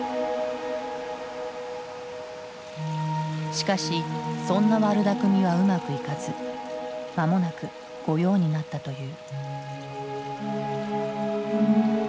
しかしそんな悪だくみはうまくいかず間もなく御用になったという。